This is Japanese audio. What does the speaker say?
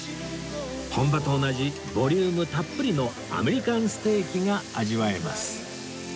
本場と同じボリュームたっぷりのアメリカンステーキが味わえます